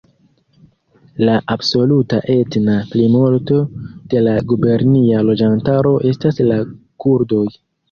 La absoluta etna plimulto de la gubernia loĝantaro estas la kurdoj.